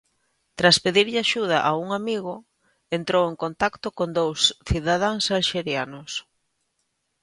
Tras pedirlle axuda a un amigo entrou en contacto con dous cidadáns alxerianos.